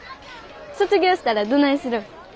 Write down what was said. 卒業したらどないするん？